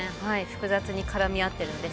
複雑に絡み合っているので。